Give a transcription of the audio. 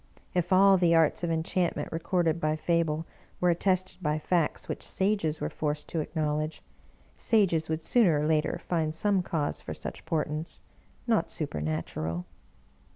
If all the arts of enchantment recorded by Fable were attested by facts which Sages were forced to acknowledge, Sages would sooner or later find some cause for such portents — not su pernatural.